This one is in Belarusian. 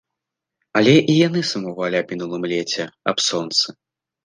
Але і яны сумавалі аб мінулым леце, аб сонцы.